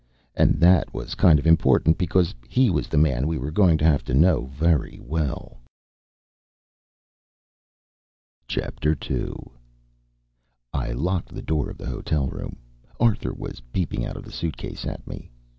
And that was kind of important, because he was the man we were going to have to know very well. II I locked the door of the hotel room. Arthur was peeping out of the suitcase at me.